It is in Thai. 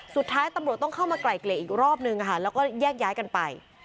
สุดท้ายตำรวจต้องเข้ามาไกลเกลี่ยอีกรอบนึงค่ะแล้วก็แยกย้ายกันไป